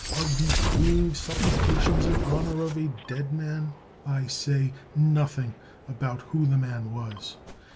of decreeing supplications in honor of a dead man? I say nothing about who the man was.